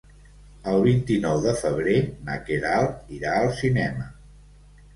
El vint-i-nou de febrer na Queralt irà al cinema.